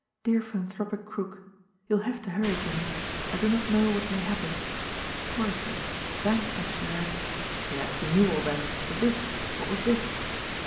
"Dear Philanthropic Crook: You will have to hurry, Jimmie.... I do not know what may happen.... Forrester ... bank cashier at" yes, he knew all that! But this what was this?